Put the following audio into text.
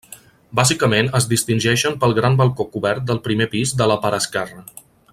Bàsicament es distingeixen pel gran balcó cobert del primer pis de la part esquerra.